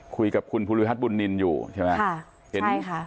คุยกับคุณภูริฮัทบุญนินอยู่ใช่ไหมค่ะใช่ค่ะ